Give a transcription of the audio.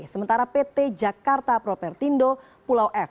sementara pt jakarta propertindo pulau f